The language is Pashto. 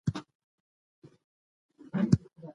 که سنک وي نو لاسونه نه خیرنیږي.